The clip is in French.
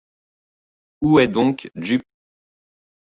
Où est donc Jup